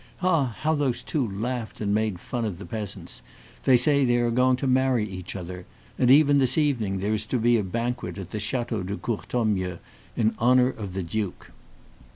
Ah! how those two laughed and made fun of the peasants. They say they are going to marry each other. And even this evening there is to be a banquet at the Chateau de Courtornieu in honor of the duke."